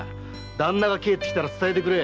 旦那が帰ってきたら伝えてくれ。